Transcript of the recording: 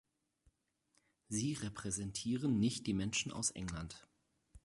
Sie repräsentieren nicht die Menschen aus England.